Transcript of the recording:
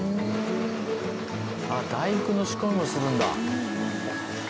大福の仕込みもするんだ。